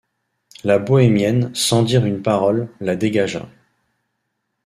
La bohémienne, sans dire une parole, la dégagea.